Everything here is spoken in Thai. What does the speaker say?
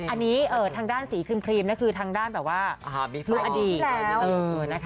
อันนี้ทางด้านสีครีมคือทางด้านลัวอดีต